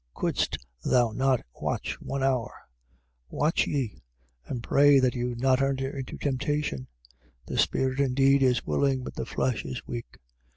Couldst thou not watch one hour? 14:38. Watch ye: and pray that you enter not into temptation. The spirit indeed is willing, but the flesh is weak.